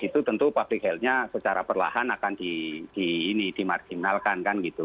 tentu public health nya secara perlahan akan dimarjinalkan